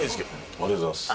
ありがとうございます。